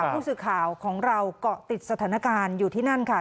ผู้สื่อข่าวของเราเกาะติดสถานการณ์อยู่ที่นั่นค่ะ